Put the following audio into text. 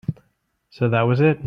So that was it.